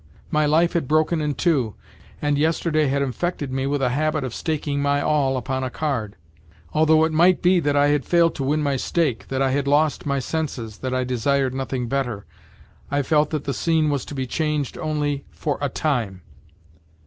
My life had broken in two, and yesterday had infected me with a habit of staking my all upon a card. Although it might be that I had failed to win my stake, that I had lost my senses, that I desired nothing better, I felt that the scene was to be changed only for a time.